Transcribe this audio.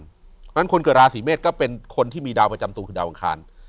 เพราะฉะนั้นคนเกิดราศีเมษก็เป็นคนที่มีดาวประจำตัวคือดาวอังคาร